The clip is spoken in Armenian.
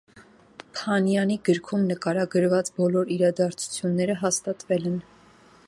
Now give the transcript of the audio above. Փանյանի գրքում նկարագրված բոլոր իրադարձությունները հաստատվել են։